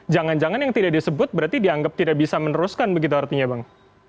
jangan jangan yang tidak disebut berarti dianggap tidak bisa meneruskan begitu artinya bang